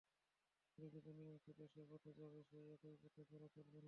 অলিখিত নিয়ম ছিল—যে পথে যাবে, সেই একই পথে ফেরা চলবে না।